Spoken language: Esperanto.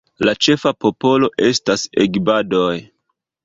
La ĉefa popolo estas Egbadoj.